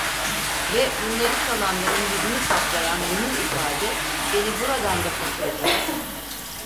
ve bunları çalanların yüzünü kaplayan mühim ifade beni buradan da kaçıracaktı.